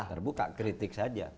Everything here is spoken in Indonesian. terbuka kritik saja